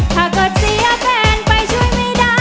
ถ้าเกิดเสียแฟนไปช่วยไม่ได้